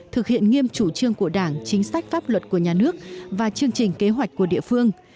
thực hiện nghiêm chủ trương của đảng chính sách pháp luật của nhà nước và chương trình kế hoạch của địa phương